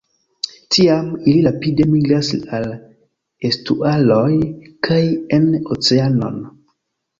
Tiam, ili rapide migras al estuaroj kaj en oceanon.